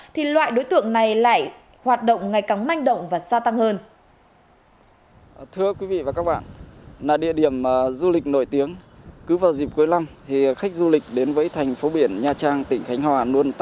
thì loại đối tượng này lại hoạt động ngày càng manh động và xa tăng hơn